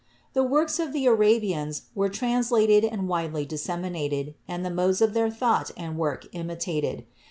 The works of the Arabians were translated and widely disseminated, and the modes of their thought and work imitated.